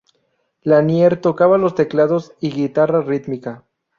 Lanier tocaba los teclados y guitarra rítmica.